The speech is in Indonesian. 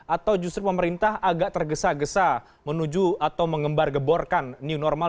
atau justru pemerintah agak tergesa gesa menuju atau mengembar geborkan new normal